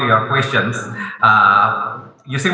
untuk menjawab pertanyaan anda